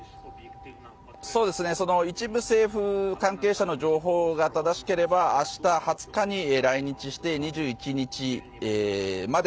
一部政府関係者の情報が正しければ明日２０日に来日して２１日まで